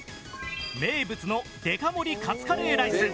名物のデカ盛りカツカレーライス。